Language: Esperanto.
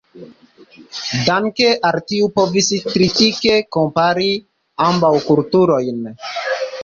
Danke al tio povis kritike kompari ambaŭ kulturojn.